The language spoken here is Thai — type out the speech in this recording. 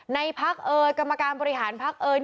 ในพักเอ่ยกรรมการบริหารพักเอ่ย